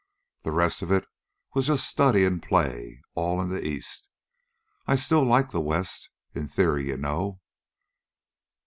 The rest of it was just study and play, all in the East. I still liked the West in theory, you know."